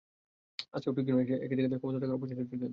আজকেও ঠিক যেন সেই একই কায়দায় ক্ষমতায় থাকার অপচেষ্টা চলছে দেশে।